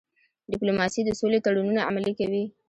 ډيپلوماسي د سولې تړونونه عملي کوي.